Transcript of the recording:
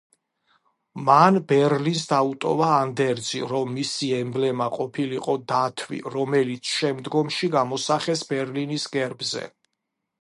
მან ბერლინს დაუტოვა ანდერძი, რომ მისი ემბლემა ყოფილიყო დათვი, რომელიც შემდგომში გამოსახეს ბერლინის გერბზე.